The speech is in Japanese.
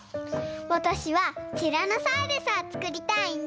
わたしはティラノサウルスをつくりたいんだ！